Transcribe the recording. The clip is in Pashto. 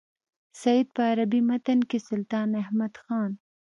سید په عربي متن کې سلطان احمد خان.